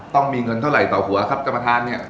ต้องมีเงินเท่าไรต่อครัวครับจะมาทานเนี่ย